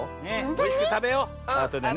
おいしくたべようあとでね。